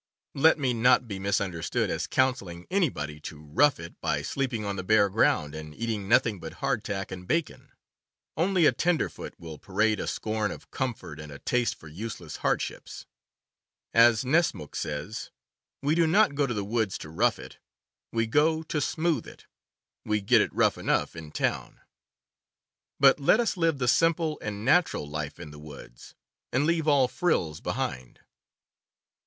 Let me not be misunderstood as counseling anybody to "rough it" by sleeping on the bare ground and eat ing nothing but hardtack and bacon. Only a tender foot will parade a scorn of comfort and a taste for useless hardships. As Nessmuk says: "We do not go to the woods to rough it; we go to smoothe it — we get it rough enough in town. But let us live the simple, natural life in the woods, and leave all frills behind."